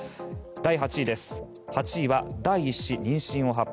第８位は第１子妊娠を発表